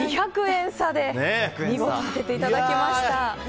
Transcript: ２００円差で見事当てていただきました。